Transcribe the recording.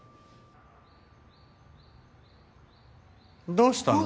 どうしたの？